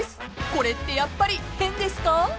［これってやっぱり変ですか？］